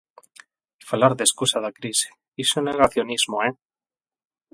Falar de escusa da crise, iso é negacionismo, ¡eh!